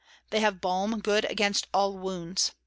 They have Balm good against all Wounds.